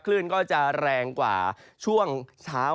คลื่นก็จะแรงกว่าช่วงเช้า